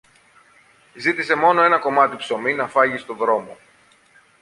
Ζήτησε μόνο ένα κομμάτι ψωμί να φάγει στο δρόμο